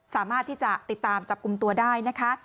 สามารถที่จะติดตามจับกลุ่มตัวได้นะคะ